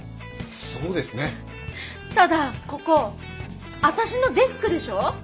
ただここ私のデスクでしょ。